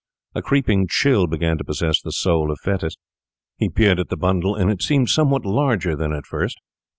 A creeping chill began to possess the soul of Fettes. He peered at the bundle, and it seemed somehow larger than at first.